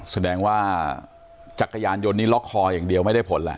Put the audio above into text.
แสดงว่าจักรยานยนต์นี้ล็อกคออย่างเดียวไม่ได้ผลแหละ